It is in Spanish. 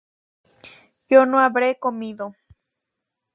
yo no habré comido